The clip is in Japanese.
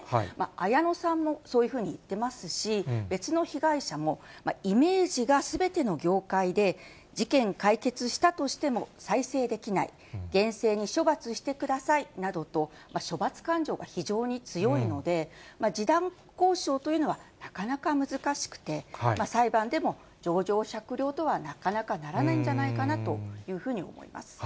綾野さんもそういうふうに言ってますし、別の被害者も、イメージがすべての業界で、事件解決したとしても、再生できない、厳正に処罰してくださいなどと、処罰感情が非常に強いので、示談交渉というのはなかなか難しくて、裁判でも情状酌量とはなかなかならないんじゃないかなというふうに思います。